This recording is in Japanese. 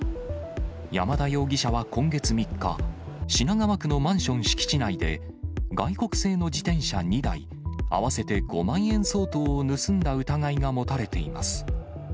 山田容疑者は今月３日、品川区のマンション敷地内で、外国製の自転車２台合わせて５万円相当を盗んだ疑いが持たれています。